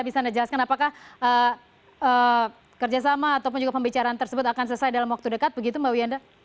bisa anda jelaskan apakah kerjasama ataupun juga pembicaraan tersebut akan selesai dalam waktu dekat begitu mbak wiyanda